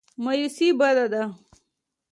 مایوسي بده ده.